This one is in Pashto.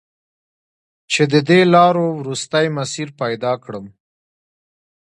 چې د دې لارو، وروستی مسیر پیدا کړم